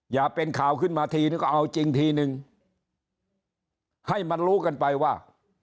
อย่าเป็นข่าวขึ้นมาทีนึงก็เอาจริงทีนึงให้มันรู้กันไปว่า